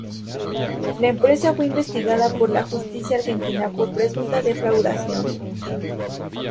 La empresa fue investigada por la justicia argentina por presunta defraudación.